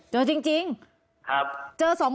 เจอจริง